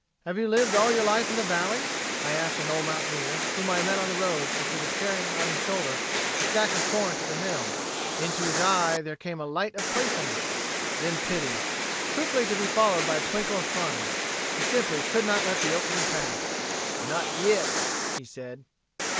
"Have you lived all your life in the valley?" I asked an old mountaineer whom I met on the road as he was carrying on his shoulder a sack of corn to the mill. Into his eye there came a light of playfulness, then pity, quickly to be followed by a twinkle of fun. He simply could not let the opening pass. "Not yit," he said.